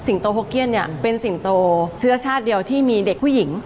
โตโฮเกียนเนี่ยเป็นสิงโตเชื้อชาติเดียวที่มีเด็กผู้หญิง